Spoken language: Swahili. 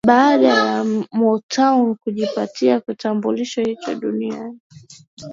Baada ya Motown kujipatia kitambulisho hicho duniani